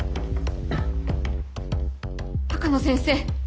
鷹野先生